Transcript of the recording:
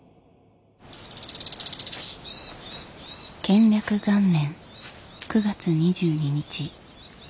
建暦元年９月２２日。